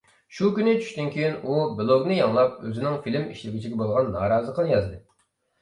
شۇ كۈنى چۈشتىن كېيىن، ئۇ بىلوگنى يېڭىلاپ ئۆزىنىڭ فىلىم ئىشلىگۈچىگە بولغان نارازىلىقىنى يازدى.